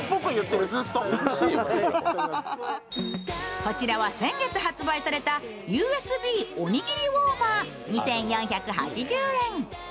こちらは先月発売されたＵＳＢおにぎりウォーマー２４８０円